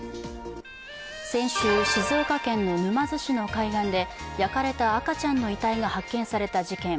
先週、静岡県沼津市の海岸で焼かれた赤ちゃんの遺体が発見された事件。